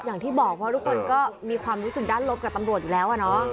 เหมือนที่บอกว่าทุกคนก็มีความรู้สึกด้านลบกับตำรวจอีกแล้ว